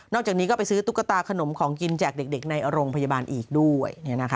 จากนี้ก็ไปซื้อตุ๊กตาขนมของกินแจกเด็กในโรงพยาบาลอีกด้วย